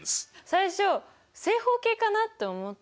最初正方形かなって思ったの。